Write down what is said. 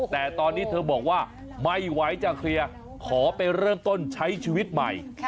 แต่ตอนนี้เธอบอกว่าไม่ไหวจะเคลียร์ขอไปเริ่มต้นใช้ชีวิตใหม่